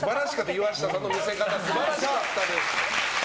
岩下さんの見せ方もすばらしかったです。